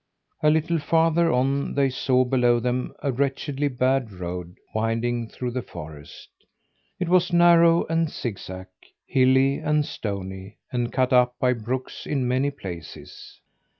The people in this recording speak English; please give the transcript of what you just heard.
A little farther on they saw below them a wretchedly bad road winding through the forest. It was narrow and zigzag, hilly and stony, and cut up by brooks in many places.